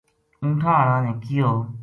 اونٹھاں ہاڑا نے کہیو ـ